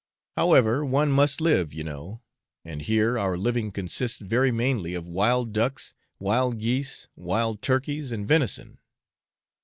However, one must live, you know; and here our living consists very mainly of wild ducks, wild geese, wild turkeys, and venison.